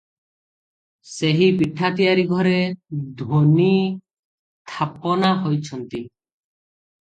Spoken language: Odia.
ସେହି ପିଠା ତିଆରି ଘରେ ଧୂନି ଥାପନା ହୋଇଛନ୍ତି ।